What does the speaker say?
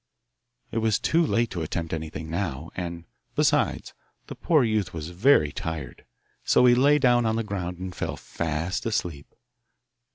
It was too late to attempt anything now; and, besides, the poor youth was very tired, so he lay down on the ground and fell fast asleep.